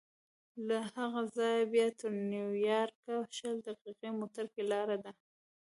له هغه ځایه بیا تر نیویارکه شل دقیقې موټر کې لاره ده.